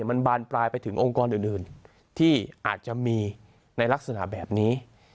มันบานปลายไปถึงองค์กรอื่นที่อาจจะมีในลักษณะแบบนี้